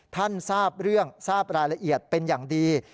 ทราบเรื่องทราบรายละเอียดเป็นอย่างดี